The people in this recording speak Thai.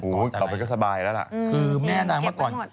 ออกไปก็สบายแล้วล่ะคือแม่นางว่าก่อน